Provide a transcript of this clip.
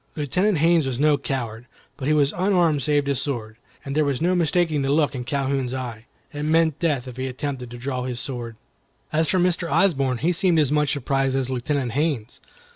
Lieutenant Haines was no coward, but he was unarmed save his sword, and there was no mistaking the look in Calhoun's eye. It meant death if he attempted to draw his sword. As for Mr. Osborne, he seemed as much surprised as Lieutenant Haines.